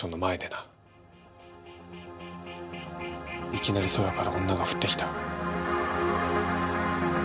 いきなり空から女が降ってきた。